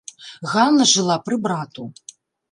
Ганна жыла пры брату.